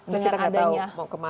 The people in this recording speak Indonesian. jadi kita tidak tahu mau kemana